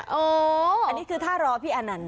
อันนี้คือท่ารอพี่อานันต์